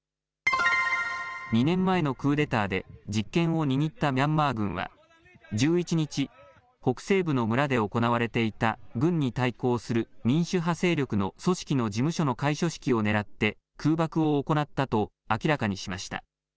２年前のクーデターで、実権を握ったミャンマー軍は１１日、北西部の村で行われていた軍に対抗する民主派勢力の組織の事務所の開所式を狙って、空爆を行ったと明らかにしました。